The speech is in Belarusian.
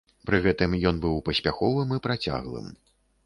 Пры гэтым ён быў паспяховым і працяглым.